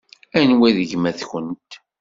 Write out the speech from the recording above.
Anwa i d gma-tkent?